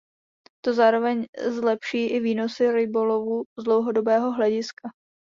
To zároveň zlepší i výnosy rybolovu z dlouhodobého hlediska.